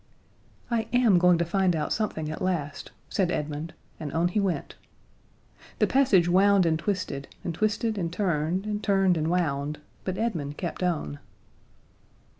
"I am going to find out something at last," said Edmund, and on he went. The passage wound and twisted, and twisted and turned, and turned and wound, but Edmund kept on.